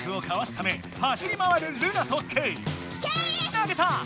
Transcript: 投げた！